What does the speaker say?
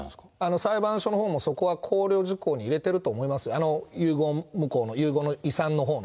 裁判所のほうもそこは考慮事項に入れてると思いますよ、遺言無効の、遺産のほうの。